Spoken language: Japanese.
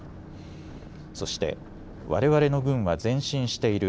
そして、われわれの軍は前進している。